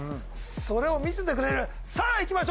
それを見せてくれるさぁいきましょう中西さん。